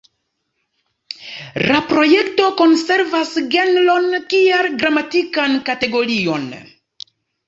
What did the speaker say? La projekto konservas genron kiel gramatikan kategorion.